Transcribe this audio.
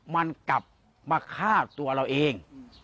มันกลับมาฆ่าตัวเราเอง